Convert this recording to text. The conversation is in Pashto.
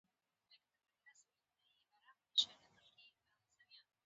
د پښتنو په کلتور کې د دسترخان اداب مراعات کیږي.